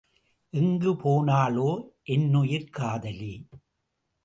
எங்கு போனாளே என்னுயிர்க் காதலி!